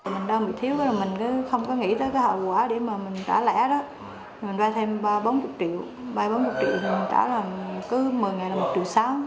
mình đang bị thiếu mình không có nghĩ tới hậu quả để trả lẻ mình vay thêm bốn mươi triệu vay bốn mươi triệu mình trả là cứ một mươi ngày là một triệu sáu